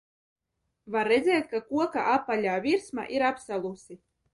Var redzēt, ka koka apaļā virsma ir apsalusi.